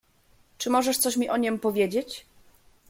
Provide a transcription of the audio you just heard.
"Czy możesz mi coś o niem powiedzieć?"